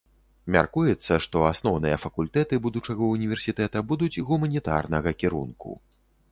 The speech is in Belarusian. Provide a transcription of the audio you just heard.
Мяркуецца, што асноўныя факультэты будучага ўніверсітэта будуць гуманітарнага кірунку.